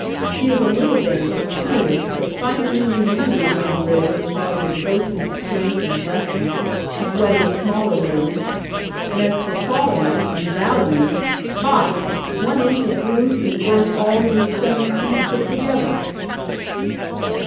She is a little damsel, truly; but finer men than you, John Ridd, with all your boasted strength and wrestling, have wedded smaller maidens. And as for quality, and value bots! one inch of Ruth is worth all your seven feet put together.'